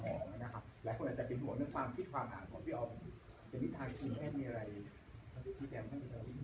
และคุณอาจจะเป็นหัวหนึ่งฟังคิดความอ่านของพี่อ๋อเป็นวิทยาลัยคุณแทนมีอะไรที่แทนของพี่อ๋อ